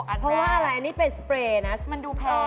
อ้าวแล้ว๓อย่างนี้แบบไหนราคาถูกที่สุด